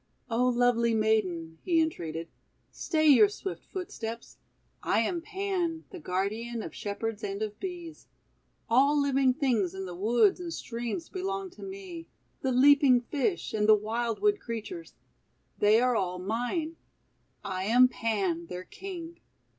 :<O lovely Maiden," he entreated, "stay your swift footsteps. I am Pan, the guardian of Shepherds and of Bees. All living things in the woods and streams belong to me, the leaping fish, and the wild wood creatures. They are all mine. I am Pan, their King.